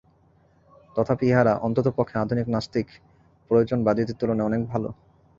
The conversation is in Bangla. তথাপি ইহারা অন্ততঃপক্ষে আধুনিক নাস্তিক প্রয়োজনবাদীদের তুলনায় অনেক ভাল।